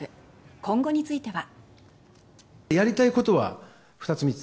今後については。